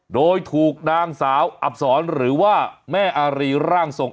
โดยถูกนางสาวอับศรหรือว่าแม่อารีร่างทรง